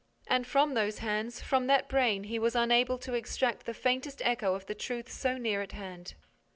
And from those hands, from that brain he was unable to extract the faintest echo of the truth so near at hand!